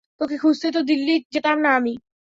তোকে খুঁজতে তো দিল্লি যেতাম না আমি।